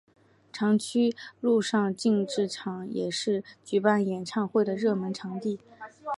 长居陆上竞技场也是举办演唱会的热门场地。